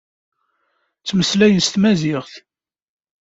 Ttmeslayen s tmaziɣt.